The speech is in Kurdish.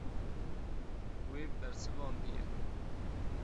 We bersivandiye.